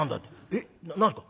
「えっ何すか？」。